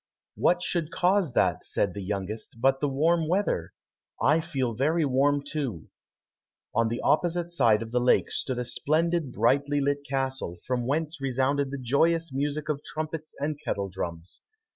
"What should cause that," said the youngest, "but the warm weather? I feel very warm too." On the opposite side of the lake stood a splendid, brightly lit castle, from whence resounded the joyous music of trumpets and kettle drums.